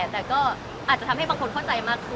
แต่ก็อาจจะทำให้บางคนเข้าใจมากขึ้น